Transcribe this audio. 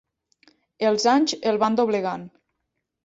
Els anys el van doblegant.